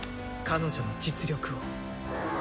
彼女の実力を。